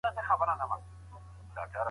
دا نبات خلک سره نږدې کوي.